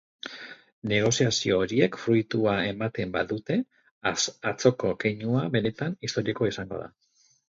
Negoziazio horiek fruitua ematen badute, atzoko keinua benetan historikoa izango da.